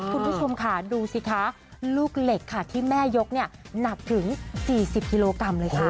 คุณผู้ชมค่ะดูสิคะลูกเหล็กค่ะที่แม่ยกเนี่ยหนักถึง๔๐กิโลกรัมเลยค่ะ